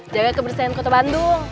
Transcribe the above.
jaga kebersihan kota bandung